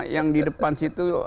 yang di depan situ